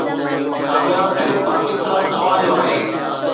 ڪامياب ٿيو پاڪستان اوهان جو آهي